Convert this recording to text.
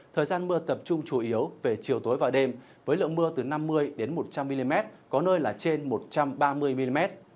thời gian mưa tập trung chủ yếu về chiều tối và đêm với lượng mưa từ năm mươi một trăm linh mm có nơi là trên một trăm ba mươi mm